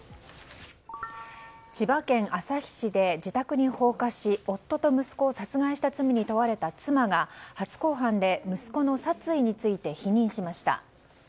千葉県旭市で自宅に放火し夫と息子を殺害した罪に問われた妻が初公判で息子の殺意について否認しました。